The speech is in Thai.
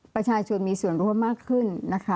ประชาชนมีส่วนร่วมมากขึ้นนะคะ